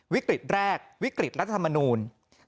วิกฤตแรกวิกฤตรัฐธรรมนูล